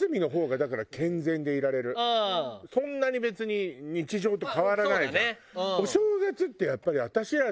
そんなに別に日常と変わらないじゃん。